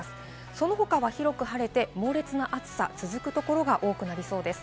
その他は広く晴れて、猛烈な暑さが続くところが多くなりそうです。